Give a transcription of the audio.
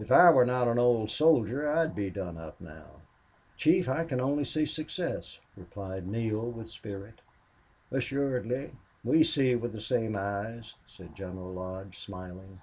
If I were not an old soldier, I would be done up now." "Chief, I can see only success," replied Neale, with spirit. "Assuredly. We see with the same eyes," said General Lodge, smiling.